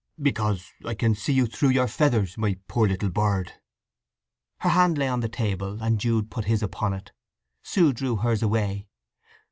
"Because—I can see you through your feathers, my poor little bird!" Her hand lay on the table, and Jude put his upon it. Sue drew hers away.